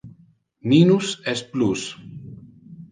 Minus es plus.